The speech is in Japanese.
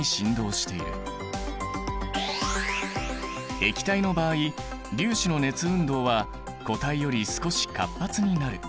液体の場合粒子の熱運動は固体より少し活発になる。